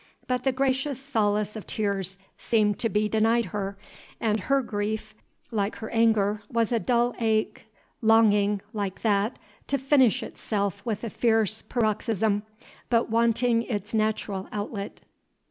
But the gracious solace of tears seemed to be denied her, and her grief, like her anger, was a dull ache, longing, like that, to finish itself with a fierce paroxysm, but wanting its natural outlet.